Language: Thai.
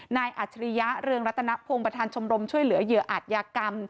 อัจฉริยะเรืองรัตนพงศ์ประธานชมรมช่วยเหลือเหยื่ออาจยากรรม